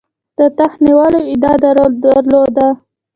د تخت د نیولو ادعا درلوده.